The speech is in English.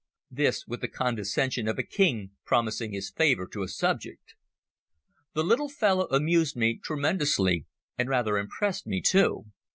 This with the condescension of a king promising his favour to a subject. The little fellow amused me tremendously, and rather impressed me too.